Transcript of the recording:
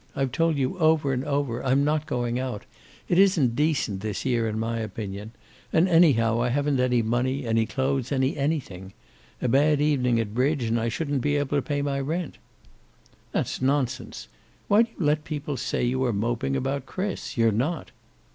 I've told you, over and over, I'm not going out. It isn't decent this year, in my opinion. And, anyhow, I haven't any money, any clothes, any anything. A bad evening at bridge, and I shouldn't be able to pay my rent." "That's nonsense. Why do you let people say you are moping about Chris? You're not."